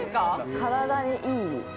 体に良い。